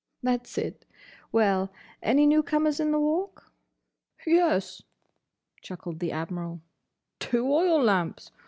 "That's it.—Well? Any new comers in the Walk?" "Yes," chuckled the Admiral, "two oil lamps.